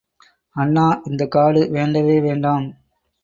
அண்ணா, இந்தக் காடு வேண்டவே வேண்டாம்.